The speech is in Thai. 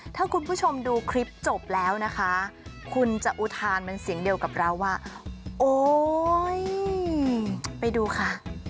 ถ้าคุณผู้ชมดูคลิปจบแล้วนะคะคุณจะอุทานเป็นเสียงเดียวกับเราว่าโอ๊ยไปดูค่ะ